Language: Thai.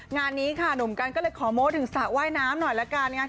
งานนี้ค่ะหนุ่มกันก็เลยขอโม้ถึงสระว่ายน้ำหน่อยละกันนะครับ